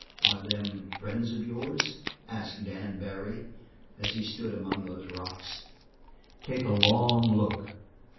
"Are them friends of yours?" asked Dan Barry, as he stood among those rocks. "Take a long look."